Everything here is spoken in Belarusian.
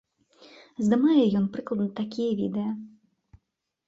Здымае ён прыкладна такія відэа.